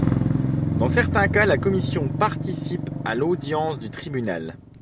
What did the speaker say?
Dans certains cas, la Commission participe à l’audience du Tribunal.